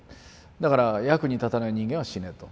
だから役に立たない人間は死ねと。